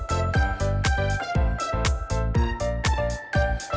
tidak mungkin nya adrian